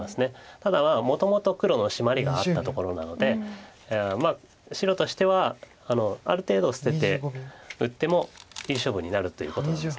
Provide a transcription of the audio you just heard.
ただもともと黒のシマリがあったところなので白としてはある程度捨てて打ってもいい勝負になるということなんです。